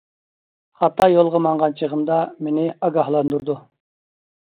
خاتا يولغا ماڭغان چېغىمدا مېنى ئاگاھلاندۇرىدۇ.